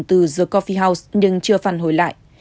từ the coffee house nhưng chưa phản hồi lại